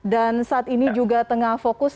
dan saat ini juga tengah fokus